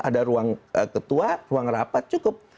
ada ruang ketua ruang rapat cukup